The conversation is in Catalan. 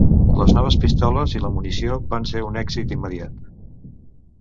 Les noves pistoles i la munició van ser un èxit immediat.